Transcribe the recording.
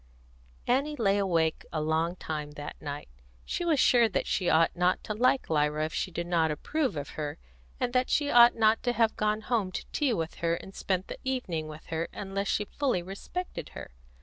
Annie lay awake a long time that night. She was sure that she ought not to like Lyra if she did not approve of her, and that she ought not to have gone home to tea with her and spent the evening with her unless she fully respected her.